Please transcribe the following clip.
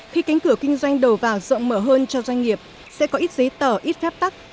khi cánh cửa kinh doanh đầu vào rộng mở hơn cho doanh nghiệp sẽ có ít giấy tờ ít phép tắc